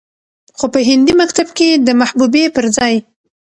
خو په هندي مکتب کې د محبوبې پرځاى